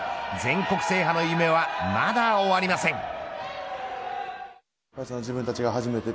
全国制覇への夢はまだ終わりません。